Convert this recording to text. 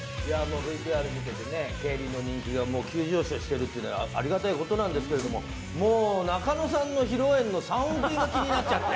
ＶＴＲを見ていてね、競輪の人気が急上昇してるっていうのはありがたいことなんですけど、もう中野さんの披露宴の３億円が気になっちゃって。